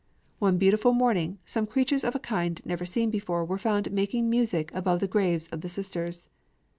One beautiful morning, some creatures of a kind never seen before were found making music above the graves of the sisters.